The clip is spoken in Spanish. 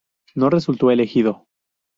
No resultó elegido.